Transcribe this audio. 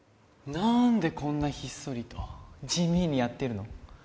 なんでこんなひっそりと地味にやってるの？